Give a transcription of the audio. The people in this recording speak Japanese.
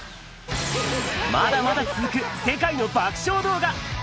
まだまだ続く世界の爆笑動画。